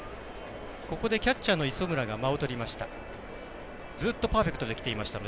キャッチャーの磯村が間をとりました。